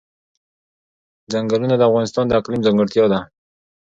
چنګلونه د افغانستان د اقلیم ځانګړتیا ده.